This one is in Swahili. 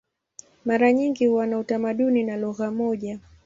Mara nyingi huwa na utamaduni na lugha moja.